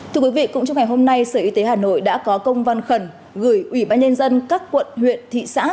thưa quý vị cũng trong ngày hôm nay sở y tế hà nội đã có công văn khẩn gửi ủy ban nhân dân các quận huyện thị xã